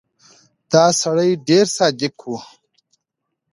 دا سړی ډېر صادق و.